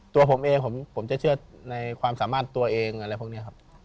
ตัวผมเองผมจะเชื่อในความสามารถตัวเองอะไรพวกนี้ครับ